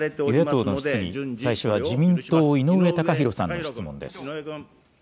与野党の質疑、最初は自民党、井上貴博さんの質問です。